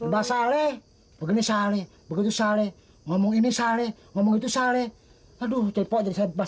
basaleh begini shaleh begitu shaleh ngomong ini shaleh ngomong itu shaleh aduh cepotan saya berbahas